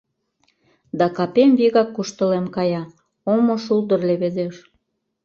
Да капем вигак куштылем кая, омо шулдыр леведеш.